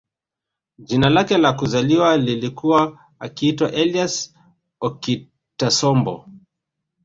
Jina lake la kuzaliwa lilikuwa akiitwa Elias OkitAsombo